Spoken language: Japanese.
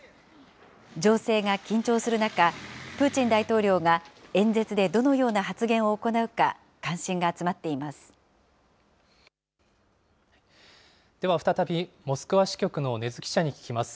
情勢が緊張する中、プーチン大統領が演説でどのような発言を行うか関心が集まっていでは再び、モスクワ支局の禰津記者に聞きます。